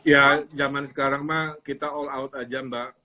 ya zaman sekarang mah kita all out aja mbak